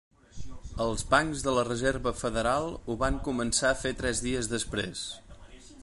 Els bancs de la Reserva Federal ho van començar a fer tres dies després.